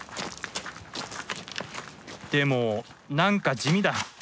でも何か地味だ。